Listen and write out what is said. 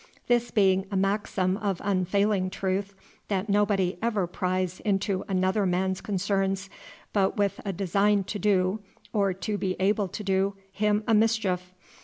This being a maxim of unfailing truth, that nobody ever pries into another man's concerns but with a design to do, or to be able to do, him a mischief.